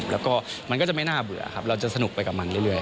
แล้วก็มันก็จะไม่น่าเบื่อครับเราจะสนุกไปกับมันเรื่อย